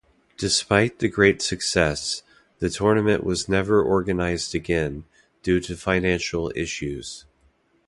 Despite the great success, the tournament was never organised again, due to financial issues.